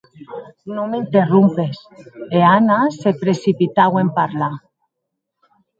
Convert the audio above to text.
Non m'interrompes, e Anna se precipitaue en parlar.